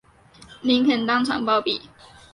林肯当场暴毙。